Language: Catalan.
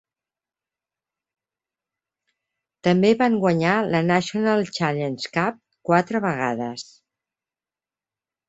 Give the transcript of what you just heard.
També van guanyar la National Challenge Cup quatre vegades.